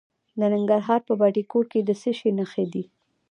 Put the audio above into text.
د ننګرهار په بټي کوټ کې د څه شي نښې دي؟